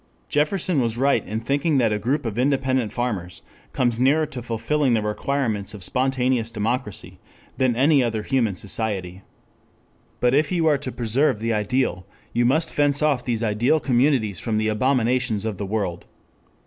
Jefferson was right in thinking that a group of independent farmers comes nearer to fulfilling the requirements of spontaneous democracy than any other human society. But if you are to preserve the ideal, you must fence off these ideal communities from the abominations of the world.